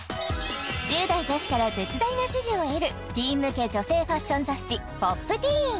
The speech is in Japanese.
１０代女子から絶大な支持を得るティーン向け女性ファッション